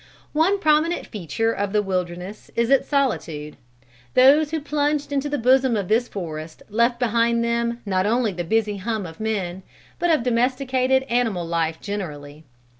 "One prominent feature of the wilderness is its solitude. Those who plunged into the bosom of this forest left behind them not only the busy hum of men, but of domesticated animal life generally.